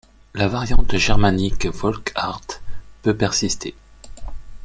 La variante germanique Volkhardt peut persister.